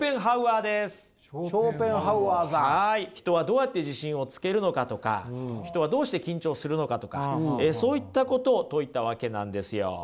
人はどうやって自信をつけるのかとか人はどうして緊張するのかとかそういったことを説いたわけなんですよ。